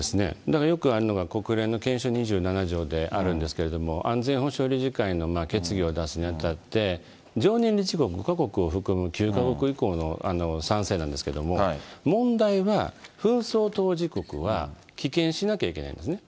だからよくあるのが国連の憲章２７条であるんですけど、安全保障理事会の決議を出すにあたって、常任理事国５か国を含む９か国以降の賛成なんですけども、問題は紛争当事国は棄権しなきゃいけないんですね。